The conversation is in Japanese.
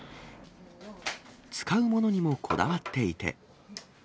使うものにもこだわっていて。